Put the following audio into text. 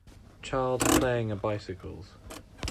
child 's playing a bicycles